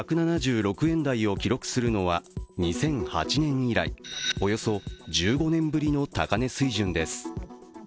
１７６円台を記録するのは２００８年以来、およそ１５年ぶりの高値水準です。